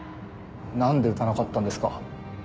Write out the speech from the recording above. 何で撃たなかったんですか？